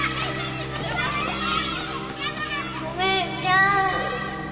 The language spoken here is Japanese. お姉ちゃん